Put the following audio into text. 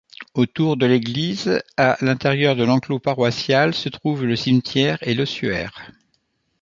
Autour de l'église, à l'intérieur de l'enclos paroissial, se trouvent le cimetière et l'ossuaire.